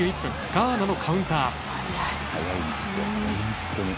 ガーナのカウンター。